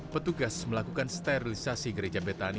petugas melakukan sterilisasi gereja betani